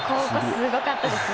すごかったですね。